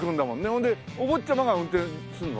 ほんでお坊ちゃまが運転するの？